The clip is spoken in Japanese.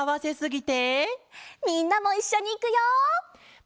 みんなもいっしょにいくよ！